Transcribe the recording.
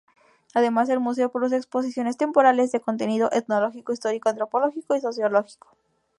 Además, el Museo produce exposiciones temporales de contenido etnológico, histórico, antropológico y sociológico.